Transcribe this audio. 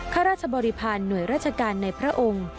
ข้าราชบริพาณหน่วยราชการในพระองค์